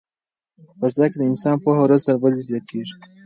په فضا کې د انسان پوهه ورځ تر بلې زیاتیږي.